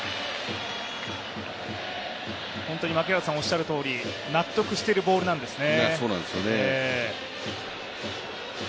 槇原さんおっしゃるとおり納得してるボールなんですね。